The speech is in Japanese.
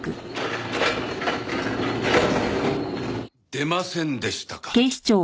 出ませんでしたか。